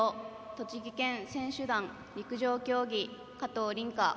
栃木県選手団、陸上競技加藤凜香。